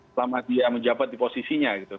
selama dia menjabat di posisinya gitu